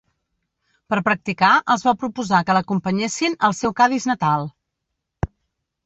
Per practicar, els va proposar que l'acompanyessin al seu Cadis natal.